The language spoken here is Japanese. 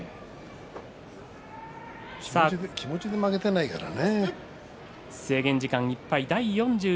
気持ちで負けてないからね。